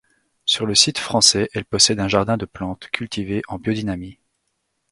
Sur le site français elle possède un jardin de plantes, cultivées en biodynamie.